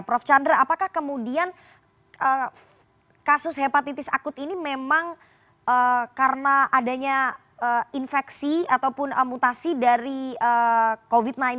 prof chandra apakah kemudian kasus hepatitis akut ini memang karena adanya infeksi ataupun mutasi dari covid sembilan belas